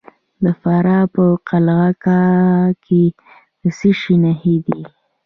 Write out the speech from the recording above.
د فراه په قلعه کاه کې د څه شي نښې دي؟